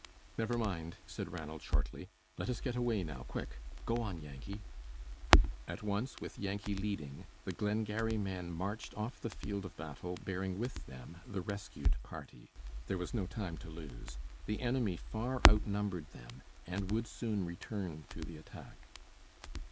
"Never mind," said Ranald, shortly, "let us get away now, quick! Go on, Yankee." At once, with Yankee leading, the Glengarry men marched off the field of battle bearing with them the rescued party. There was no time to lose. The enemy far outnumbered them, and would soon return to the attack.